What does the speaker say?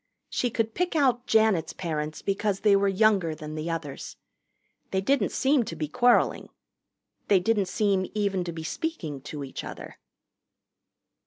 She could pick out Janet's parents because they were younger than the others. They didn't seem to be quarreling. They didn't seem even to be speaking to each other.